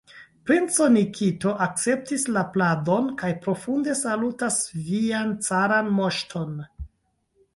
Princo Nikito akceptis la pladon kaj profunde salutas vian caran moŝton!